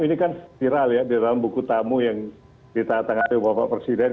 ini kan viral ya di dalam buku tamu yang ditatangani bapak presiden